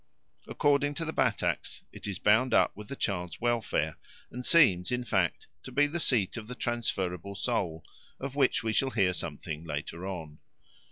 According to the Bataks it is bound up with the child's welfare, and seems, in fact, to be the seat of the transferable soul, of which we shall hear something later on.